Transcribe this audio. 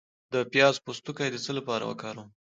د پیاز پوستکی د څه لپاره وکاروم؟